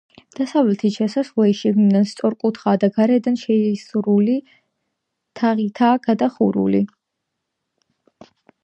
დასავლეთის შესასვლელი შიგნიდან სწორკუთხაა და გარედან შეისრული თაღითაა გადახურული.